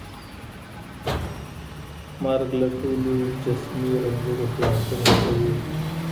مرګ له ټولو جسمي رنځونو خلاصون ورکوي.